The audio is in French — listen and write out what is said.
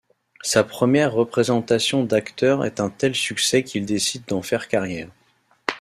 Sa première représentation d'acteur est un tel succès qu'il décide d'en faire carrière.